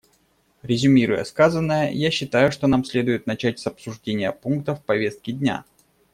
Резюмируя сказанное, я считаю, что нам следует начать с обсуждения пунктов повестки дня.